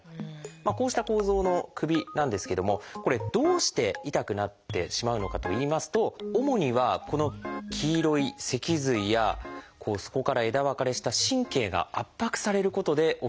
こうした構造の首なんですけどもこれどうして痛くなってしまうのかといいますと主にはこの黄色い脊髄やそこから枝分かれした神経が圧迫されることで起きているんです。